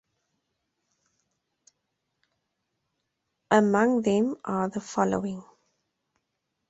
Among them are the following.